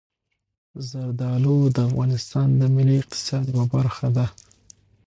زردالو د افغانستان د ملي اقتصاد یوه برخه ده.